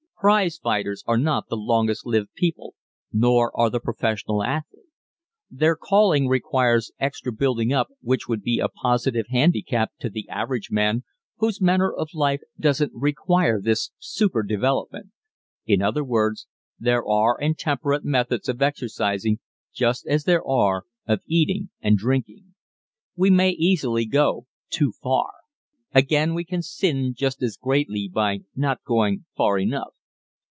Prize fighters are not the longest lived people, nor are the professional athletes. Their calling requires extra building up which would be a positive handicap to the average man whose manner of life doesn't require this super development. In other words, there are intemperate methods of exercising just as there are of eating and drinking. We may easily go too far. Again, we can sin just as greatly by not going far enough.